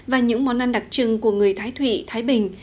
và những món ăn đặc trưng của người thái thụy thái bình